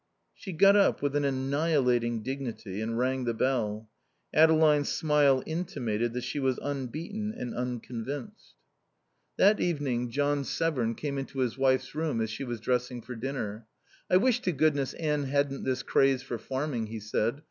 She got up, with an annihilating dignity, and rang the bell. Adeline's smile intimated that she was unbeaten and unconvinced. That evening John Severn came into his wife's room as she was dressing for dinner. "I wish to goodness Anne hadn't this craze for farming," he said.